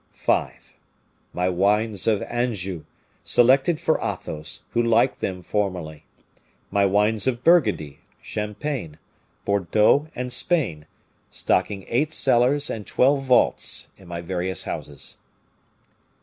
"5. My wines of Anjou, selected for Athos, who liked them formerly; my wines of Burgundy, Champagne, Bordeaux, and Spain, stocking eight cellars and twelve vaults, in my various houses.